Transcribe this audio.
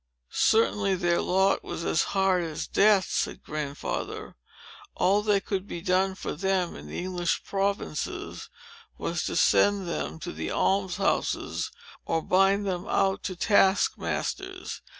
"Certainly, their lot was as hard as death," said Grandfather. "All that could be done for them, in the English provinces, was to send them to the alms houses, or bind them out to task masters.